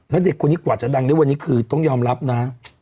แล้วเด็กคนนี้กว่าจะดังได้วันนี้คือต้องยอมรับนะ